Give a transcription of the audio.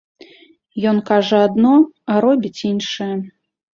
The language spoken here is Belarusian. Ён кажа адно, а робіць іншае.